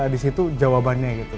di situ jawabannya gitu